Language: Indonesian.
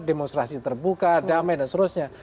demonstrasi terbuka damai dan seterusnya